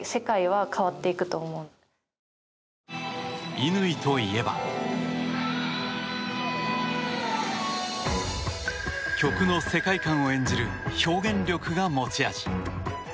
乾といえば曲の世界観を演じる表現力が持ち味。